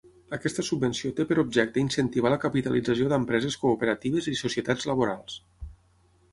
Aquesta subvenció té per objecte incentivar la capitalització d'empreses cooperatives i societats laborals.